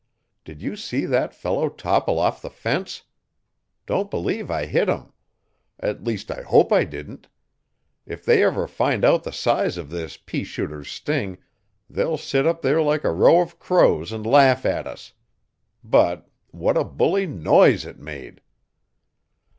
Did you see that fellow topple off the fence? Don't believe I hit him. At least I hope I didn't. If they ever find out the size of this pea shooter's sting they'll sit up there like a row of crows and laugh at us. But what a bully NOISE it made!"